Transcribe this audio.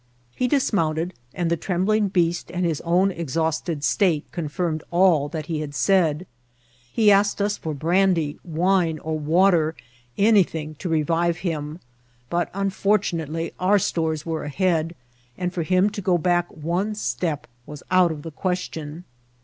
He dismounted, and the trembling beast and his own ex* hausted state confirmed all that he had said* He ask* ed us for brandy, wine, or water, anything to revive him; but, unfortunately, our stores were ahead, and for him to go back one step was out of the question.